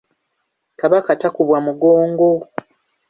Kabaka takubwa mugongo.